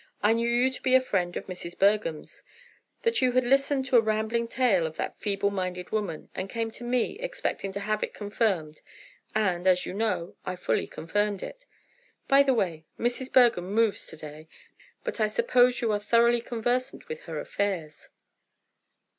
"I knew you to be a friend of Mrs. Bergham's, that you had listened to a rambling tale of that feeble minded woman, and came to me expecting to have it confirmed—and, as you know, I fully confirmed it. By the way, Mrs. Bergham moves to day, but I suppose you are thoroughly conversant with her affairs."